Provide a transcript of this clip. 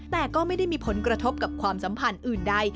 แต่ก็ไม่ได้มีผลกระทบกับความสัมพันธ์อื่นใด